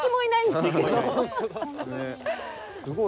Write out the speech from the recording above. すごい。